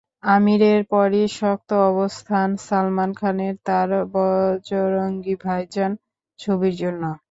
আমিরের পরই শক্ত অবস্থান সালমান খানের, তাঁর বজরঙ্গি ভাইজান ছবির জন্য।